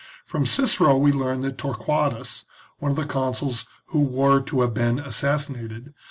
From Cicero we learn that Torquatus, one of the consuls who were to have been assassinated.